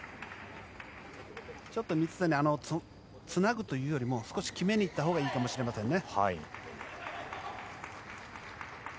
水谷、つなぐというよりも決めにいったほうがいいかもしれませんね。